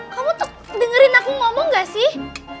kamu dengerin aku ngomong gak sih